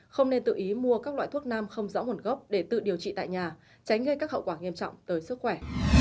không nên tự ý mua các loại thuốc nam không rõ nguồn gốc để tự điều trị tại nhà tránh gây các hậu quả nghiêm trọng tới sức khỏe